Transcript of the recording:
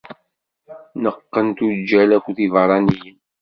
Neqqen tuǧǧal akked iberraniyen.